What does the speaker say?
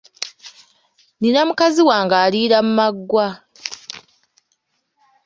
Nnina mukazi wange aliira mu maggwa.